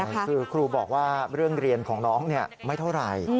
คือครูบอกว่าเรื่องเรียนของน้องไม่เท่าไหร่